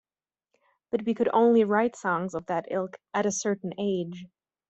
But we could only write songs of that ilk at a certain age.